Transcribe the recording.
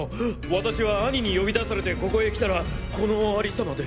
私は兄に呼び出されてここへ来たらこのありさまで。